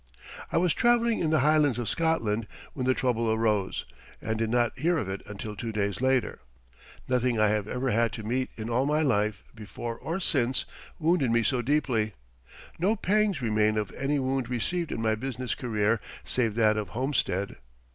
I was traveling in the Highlands of Scotland when the trouble arose, and did not hear of it until two days after. Nothing I have ever had to meet in all my life, before or since, wounded me so deeply. No pangs remain of any wound received in my business career save that of Homestead.